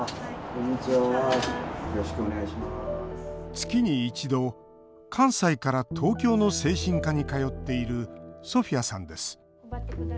月に一度、関西から東京の精神科に通っているソフィアさんです。